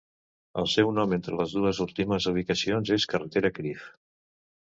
El seu nom entre les dues últimes ubicacions és carretera Crieff.